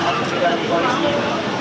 pokoknya ngel apartemen